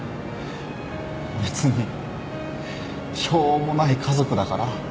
別にしょうもない家族だから。